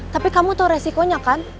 tapi kamu tahu resikonya kan